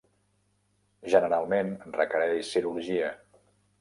Generalment requereix cirurgia.